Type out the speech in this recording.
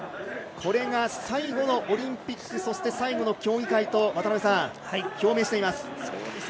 これが最後のオリンピックそして最後の競技会と表現しています。